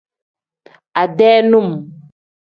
Ade num.